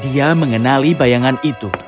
dia mengenali bayangan itu